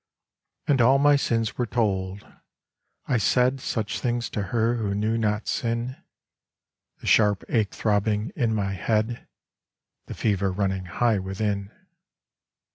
And all my sins were told ; I said Such things to her who knew not sin The sharp ache throbbing in my head, The fever running high within.